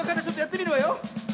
ちょっとやってみるわよ。